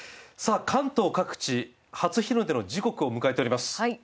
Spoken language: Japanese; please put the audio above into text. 関東各地、初日の出の時刻を迎えております。